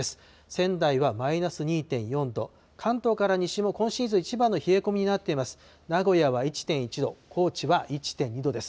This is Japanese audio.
仙台はマイナス２．４度、関東から西も今シーズン一番の冷え込みになっています。